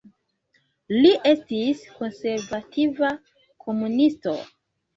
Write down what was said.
Li estis konservativa komunisto.